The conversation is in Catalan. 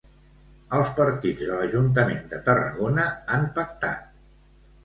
Els partits de l'Ajuntament de Tarragona han pactat.